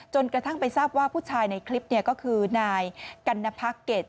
กระทั่งไปทราบว่าผู้ชายในคลิปก็คือนายกัณพักเก็ต